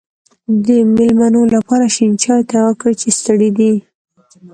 د مېلمنو لپاره شین چای تیار کړی چې ستړی دی.